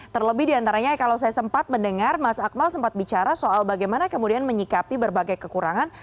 terlebih diantaranya kalau saya sempat mendengar mas akmal sempat bicara soal bagaimana kemudian menyikapi berbagai kekurangan